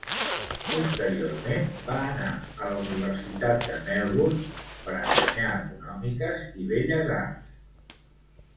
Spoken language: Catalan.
Posteriorment, va anar a la Universitat de Melbourne per ensenyar Econòmiques i Belles Arts.